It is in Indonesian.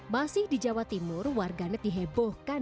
masih di jawa timur warganet dihebohkan